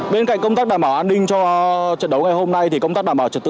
bên cạnh công tác đảm bảo an ninh cho trận đấu ngày hôm nay thì công tác đảm bảo trật tự